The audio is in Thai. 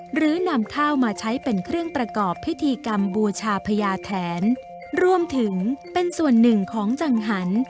หรือนำข้าวมาใช้เป็นเครื่องประกอบพิธีกรรมบูชาพญาแทนรวมถึงเป็นส่วนหนึ่งของจังหัน